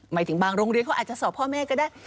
หมายถึงบางโรงเรียนเขาอาจจะสอบพ่อแม่ก็ได้